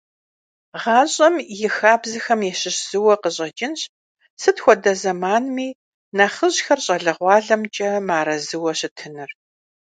ГъащӀэм и хабзэхэм ящыщ зыуэ къыщӀэкӀынщ, сыт хуэдэ зэманми нэхъыжьхэр щӀалэгъуалэмкӀэ мыарэзыуэ щытыныр.